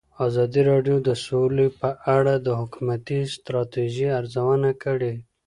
ازادي راډیو د سوله په اړه د حکومتي ستراتیژۍ ارزونه کړې.